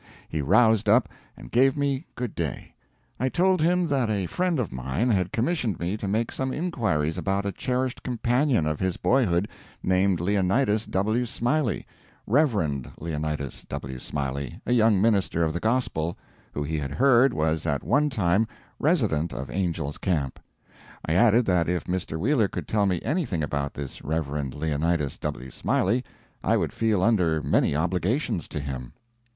He roused up, and gave me good day. I told him that a friend of mine had commissioned me to make some inquiries about a cherished companion of his boyhood named Leonidas W. Smiley Rev. Leonidas W. Smiley, a young minister of the Gospel, who he had heard was at one time resident of Angel's Camp. I added that if Mr. Wheeler could tell me anything about this Rev. Leonidas W. Smiley, I would feel under many obligations to him.